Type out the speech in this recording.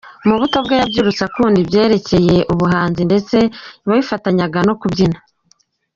Mu buto bwe, yabyirutse akunda ibyerekeye ubuhanzi ndetse yabifatanyaga no kubyina.